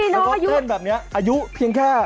ถ้าเขาเป็นแบบนี้อายุเพียงแค่